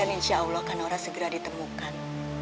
insya allah kak naura segera ditemukan